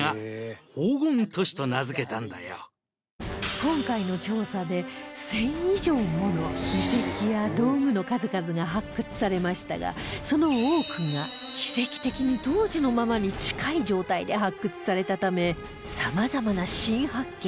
今回の調査で１０００以上もの遺跡や道具の数々が発掘されましたが、その多くが奇跡的に当時のままに近い状態で発掘されたためさまざまな新発見が。